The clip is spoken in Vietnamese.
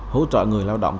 hỗ trợ người lao động